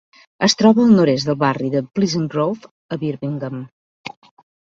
Es troba al nord-est del barri de Pleasant Grove a Birmingham.